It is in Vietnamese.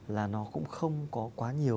là nó cũng không có quá nhiều